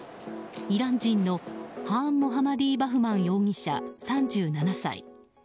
イラン人のハーン・モハマディ・バフマン容疑者、３７歳。